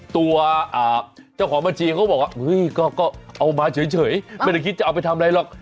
ตัวเจ้าของบัญชีเขาก็บอกว่าเฮ้ยก็เอามาเฉยไม่ได้คิดจะเอาไปทำอะไรหรอก